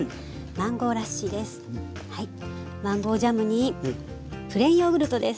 マンゴージャムにプレーンヨーグルトです。